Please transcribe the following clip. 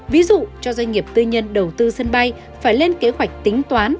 ví dụ cho doanh nghiệp tư nhân đầu tư sân bay phải lên kế hoạch tính toán